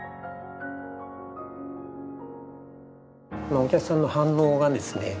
お客さんの反応がですね